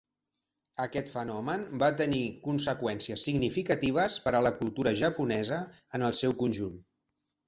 Aquest fenomen va tenir conseqüències significatives per a la cultura japonesa en el seu conjunt.